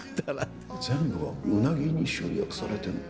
全部がうなぎに集約されてる。